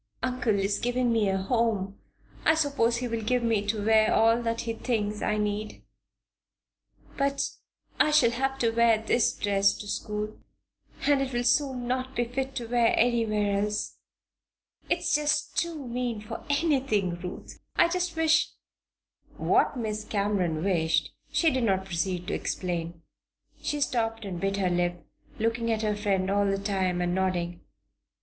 "Uncle is giving me a home; I suppose he will give me to wear all that he thinks I need. But I shall have to wear this dress to school, and it will soon not be fit to wear anywhere else." "It's just too mean for anything, Ruth! I just wish " What Miss Cameron wished she did not proceed to explain. She stopped and bit her lip, looking at her friend all the time and nodding.